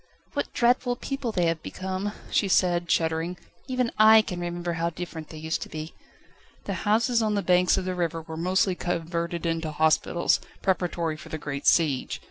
"What dreadful people they have become," she said, shuddering; "even I can remember how different they used to be." The houses on the banks of the river were mostly converted into hospitals, preparatory for the great siege.